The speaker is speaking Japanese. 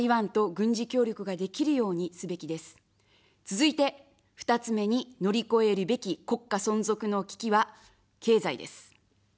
続いて、２つ目に、乗り越えるべき国家存続の危機は、経済です。